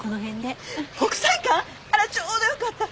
あらちょうどよかった。